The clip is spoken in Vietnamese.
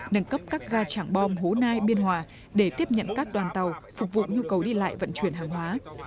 nâng cấp các ga trảng bom hố nai biên hòa để tiếp nhận các đoàn tàu phục vụ nhu cầu đi lại vận chuyển hàng hóa